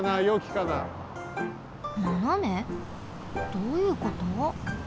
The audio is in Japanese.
どういうこと？